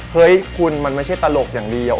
เฮ้ยคุณมันไม่ใช่ตลกอย่างเดียว